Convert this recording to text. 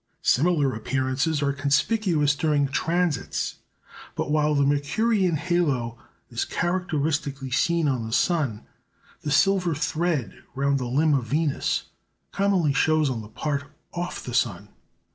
Similar appearances are conspicuous during transits. But while the Mercurian halo is characteristically seen on the sun, the "silver thread" round the limb of Venus commonly shows on the part off the sun.